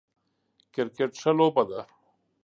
کرکټ ښه لوبه ده